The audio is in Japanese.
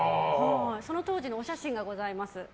その当時のお写真がございます。